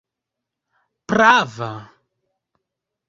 prava